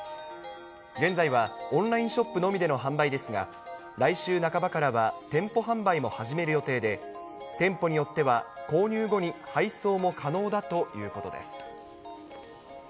現在はオンラインショップのみでの販売ですが、来週半ばからは、店舗販売も始める予定で、店舗によっては購入後に配送も可能だということです。